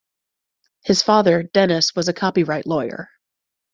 His father, Denis, was a copyright lawyer.